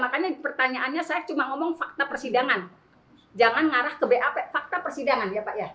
makanya pertanyaannya saya cuma ngomong fakta persidangan jangan ngarah ke bap fakta persidangan ya pak ya